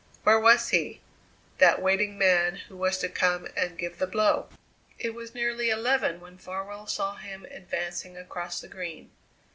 Where was he, that waiting man who was to come and give the blow? It was nearly eleven when Farwell saw him advancing across the Green.